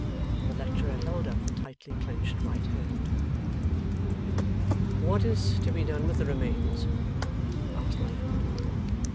The lecturer held up the tightly clenched right hand. 'What is to be done with the remains?' asked Lightwood.